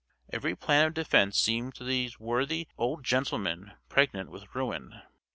Every plan of defence seemed to these worthy old gentlemen pregnant with ruin.